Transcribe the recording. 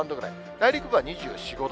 内陸部は２４、５度。